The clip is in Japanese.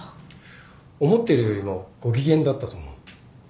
思ってるよりもご機嫌だったと思う。